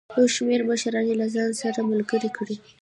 یو شمېر مشران یې له ځان سره ملګري کړي.